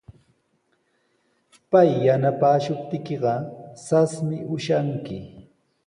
Pay yanapaashuptiykiqa rasmi ushanki.